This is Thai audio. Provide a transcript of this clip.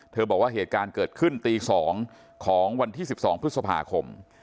บอกว่าเหตุการณ์เกิดขึ้นตี๒ของวันที่๑๒พฤษภาคม